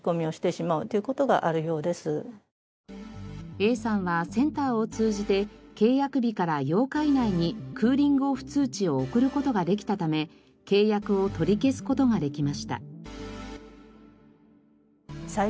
Ａさんはセンターを通じて契約日から８日以内にクーリングオフ通知を送る事ができたため契約を取り消す事ができました。